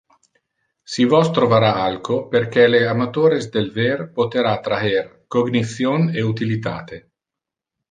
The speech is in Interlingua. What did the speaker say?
Si vos trovara alco perque le amatores del ver potera traher cognition e utilitate.